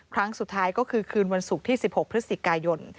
ครั้งสุดท้ายก็คือคืนวันศุกร์ที่๑๖พฤศจิกายน